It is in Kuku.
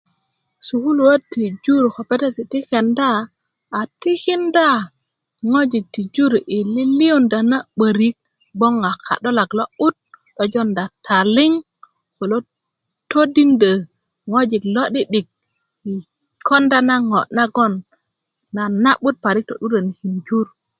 sukuluöt ti jur ko petesi ti kenda a tikinda ŋojik ti jur i liliyunda na'börik bgoŋ a ka'dolak lo'but lo jonda taliŋ ko lo todindö ŋojik lo'di'dik i konda na ŋo na'but nagon to'dureni jur